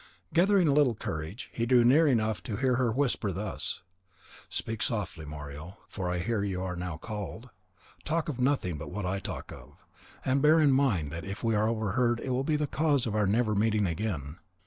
Gathering a little courage, he drew near enough to hear her whisper thus: "Speak softly, Mario (for so I hear you are now called): talk of nothing but what I talk of, and bear in mind that if we are overheard it will be the cause of our never meeting again.